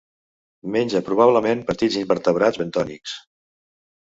Menja probablement petits invertebrats bentònics.